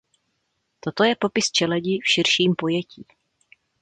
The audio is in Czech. Toto je popis čeledi v širším pojetí.